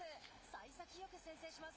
さい先よく先制します。